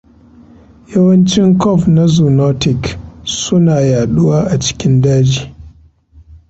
Yawancin CoV na zoonotic suna yaduwa a cikin daji.